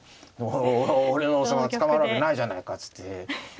俺の王様捕まるわけないじゃないかっつって。